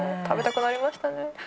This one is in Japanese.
食べたくなりましたね。